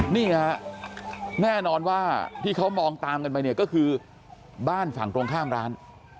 นี่ฮะแน่นอนว่าที่เขามองตามกันไปเนี่ยก็คือบ้านฝั่งตรงข้ามร้าน